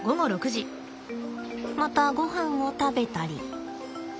またごはんを食べたり。